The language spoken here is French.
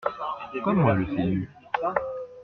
Comment est le film ?